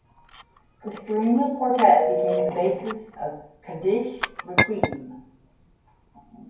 This string quartet became the basis of the Kaddish Requiem.